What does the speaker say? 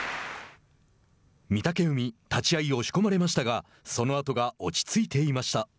御嶽海立ち合い押し込まれましたがそのあとが落ち着いていました。